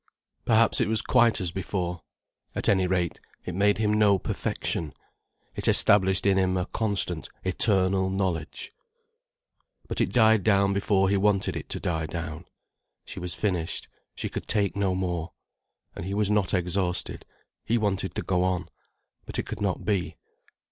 Perhaps it was quite as before. At any rate, it made him know perfection, it established in him a constant eternal knowledge. But it died down before he wanted it to die down. She was finished, she could take no more. And he was not exhausted, he wanted to go on. But it could not be.